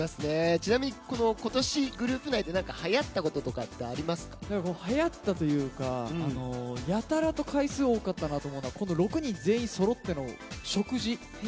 ちなみに今年グループ内ではやったことはやったというかやたらと回数が多かったというか６人全員揃ったのが食事。